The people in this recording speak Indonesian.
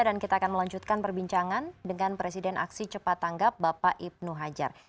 dan kita akan melanjutkan perbincangan dengan presiden aksi cepat tanggap bapak ibnu hajar